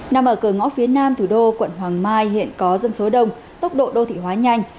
nằm ở cửa ngõ phía nam thủ đô quận hoàng mai hiện có dân số đông tốc độ đô thị hóa nhanh